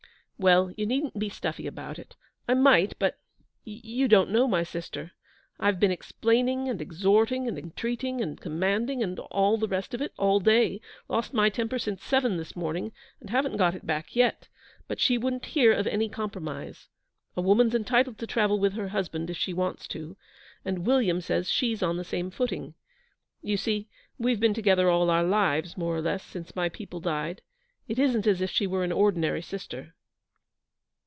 'Well, you needn't be stuffy about it. I might, but you don't know my sister. I've been explaining and exhorting and entreating and commanding and all the rest of it all day lost my temper since seven this morning, and haven't got it back yet but she wouldn't hear of any compromise, A woman's entitled to travel with her husband if she wants to, and William says she's on the same footing. You see, we've been together all our lives, more or less, since my people died. It isn't as if she were an ordinary sister.'